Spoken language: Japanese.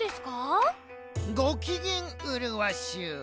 ごきげんうるわしゅう。